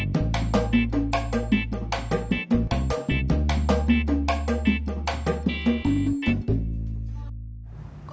supaya tetap hidup